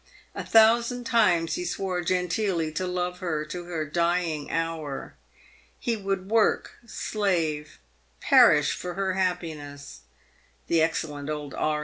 A thousand times he swore genteely to love her to her dying hour. He would work, slave, perish for her happiness. The excellent old E.N.